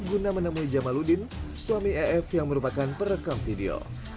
guna menemui jamaludin suami ef yang merupakan perekam video